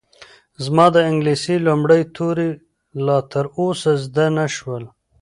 زما د انګلیسي لومړي توري لا تر اوسه زده نه شول.